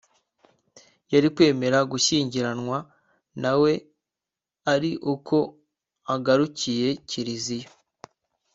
yari kwemera gushyingiranwa na we ari uko agarukiye kiliziya